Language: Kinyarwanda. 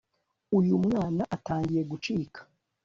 uyu mwana atangiye gucika